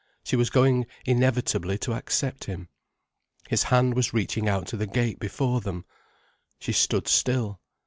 She was going inevitably to accept him. His hand was reaching out to the gate before them. She stood still.